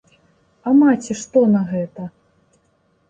А маці што на гэта?